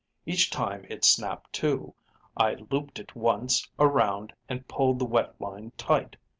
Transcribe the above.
Each time it snapped to, I looped it once around and pulled the wet line tight.